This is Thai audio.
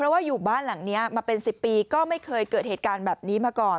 ว่าอยู่บ้านหลังนี้มาเป็น๑๐ปีก็ไม่เคยเกิดเหตุการณ์แบบนี้มาก่อน